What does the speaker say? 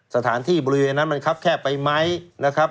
สถานที่บริเวณนั้นมันครับแคบไปไหมนะครับ